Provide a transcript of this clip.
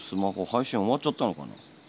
配信終わっちゃったのかな？